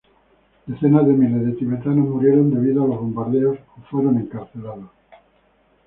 Decenas de miles de tibetanos murieron debido a los bombardeos o fueron encarcelados.